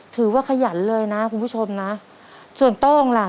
ขยันเลยนะคุณผู้ชมนะส่วนโต้งล่ะ